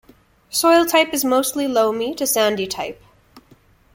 Soil type is mostly loamy to sandy type.